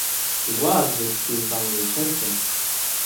He was the true family champion.